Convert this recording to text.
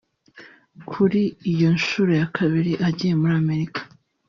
Kuri iyo nshuro ya kabiri agiye muri Amerika